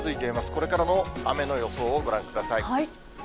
これからの雨の予想をご覧ください。